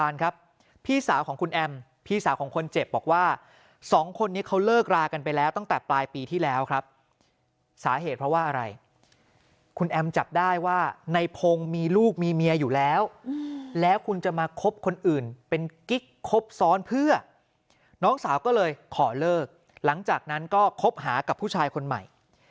น้องสาวก็เลยขอเลิกหลังจากนั้นก็คบหากับผู้ชายคนใหม่